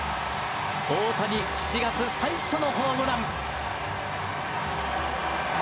大谷７月最初のホームラン。